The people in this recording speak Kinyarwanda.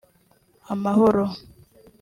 amahoro